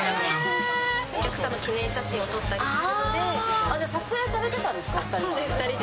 お客さんの記念写真とかを撮った撮影されてたんですか、お２人で。